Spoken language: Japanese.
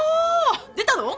出たの？